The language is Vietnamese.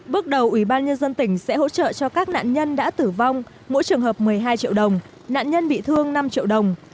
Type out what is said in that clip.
bước đầu ủy ban nhân dân tỉnh sẽ hỗ trợ cho các nạn nhân đã tử vong mỗi trường hợp một mươi hai triệu đồng nạn nhân bị thương năm triệu đồng